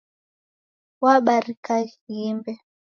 Wabarika ghimbe